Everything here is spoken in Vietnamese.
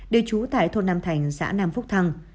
đều trú tại thôn nam thành xã nam phúc thăng